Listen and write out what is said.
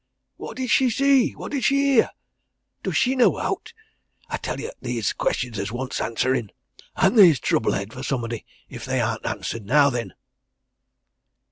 What did she see? What did she hear? Does she know owt? I tell ye 'at theer's questions 'at wants answerin' and theer's trouble ahead for somebody if they aren't answered now then!"